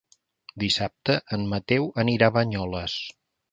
Dissabte en Mateu anirà a Banyoles.